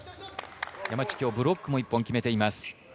山内、今日もブロックも一本決めています。